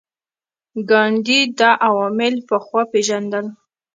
ګاندي دا عوامل پخوا پېژندل.